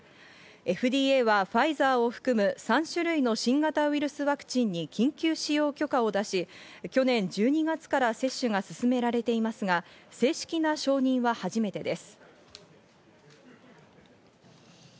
ＦＤＡはファイザーを含む３種類の新型ウイルスワクチンに緊急使用許可を出し去年１２月から接種が進められていますが、正式な承認は初めてです。